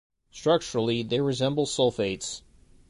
Structurally, they resemble sulfates.